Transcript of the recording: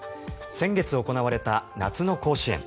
先月行われた夏の甲子園。